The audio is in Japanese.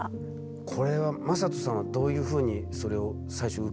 これは昌人さんはどういうふうにそれを最初受け止めたんですか？